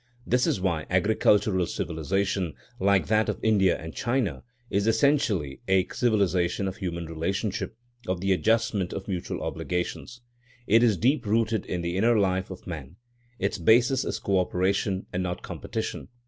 This is why agricultural civilisation, like that of India and China, is essentially a civilisation of human relationship, of the adjustment of mutual obligations. It is deep rooted in the inner life of man. Its basis is co operation and not competition.